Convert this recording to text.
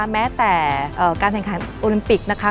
แม้แต่การแข่งขันโอลิมปิกนะคะ